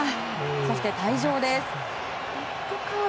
そして退場です。